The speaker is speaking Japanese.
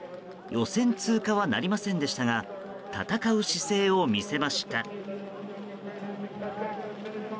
予選通過はなりませんでしたが戦う姿勢を見せました。